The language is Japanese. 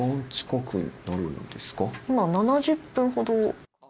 今、７０分ほど。